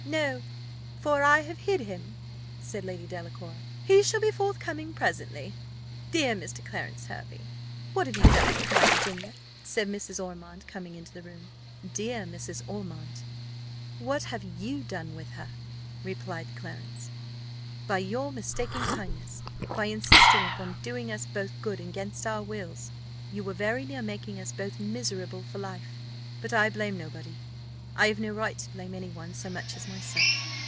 "No: for I have hid him," said Lady Delacour: "he shall be forthcoming presently." "Dear Mr. Clarence Hervey, what have you done with my Virginia?" said Mrs. Ormond, coming into the room. "Dear Mrs. Ormond, what have you done with her?" replied Clarence. "By your mistaken kindness, by insisting upon doing us both good against our wills, you were very near making us both miserable for life. But I blame nobody; I have no right to blame any one so much as myself.